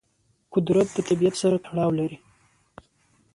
قدرت د طبیعت سره تړاو لري.